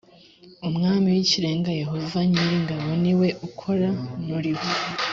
umwami w ikirenga yehova nyir ingabo ni we ukora kuriwe